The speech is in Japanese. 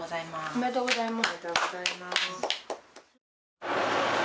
おめでとうございます。